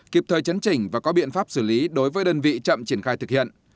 kịp thời chấn chỉnh và có biện pháp xử lý đối với đơn vị chậm triển khai thực hiện